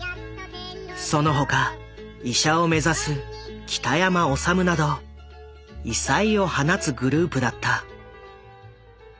その他医者を目指すきたやまおさむなど異彩を放つグループだった。